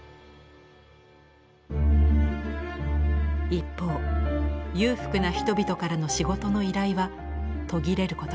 一方裕福な人々からの仕事の依頼は途切れることがありませんでした。